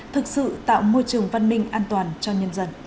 thực sự tạo môi trường văn minh an toàn cho nhân dân